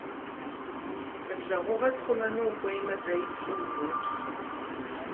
Ныбжьэгъугъэр пхъумэну ухуеймэ, зэи пцӏы умыупс.